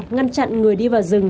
ngăn chặn người đi vào rừng